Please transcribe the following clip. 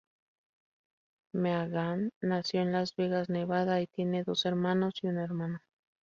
Meaghan, nació en Las Vegas, Nevada y tiene dos hermanos y una hermana.